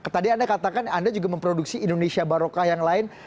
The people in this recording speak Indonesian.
tadi anda katakan anda juga memproduksi indonesia barokah yang lain